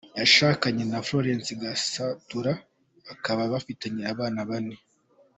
Yashakanye na Florence Gasatura bakaba bafitanye abana bane.